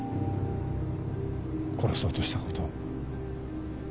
殺そうとしたことを。